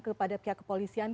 kepada pihak kepolisian